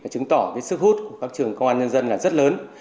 chứng tỏ sức hút của các trường công an nhân dân là rất lớn